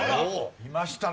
いましたね